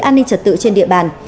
an ninh trật tự trên địa bàn